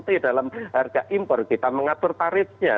di dalam harga impor kita mengatur tarifnya